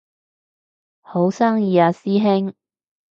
好生意啊師兄